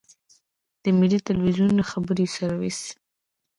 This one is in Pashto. د ملي ټلویزیون خبري سرویس.